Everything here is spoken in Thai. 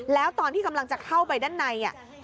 แล้วตอนที่กำลังจะเข้าไปด้านใน